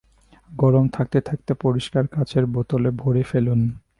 গরম থাকতে থাকতে পরিষ্কার কাচের বোতলে ভরে ফেলুন।